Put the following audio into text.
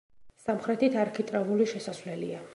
სამხრეთით არქიტრავული შესასვლელია.